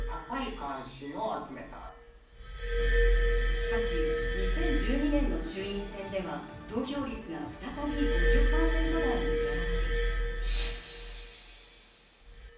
しかし、２０１２年の衆院選では投票率が再び５０％台に下落。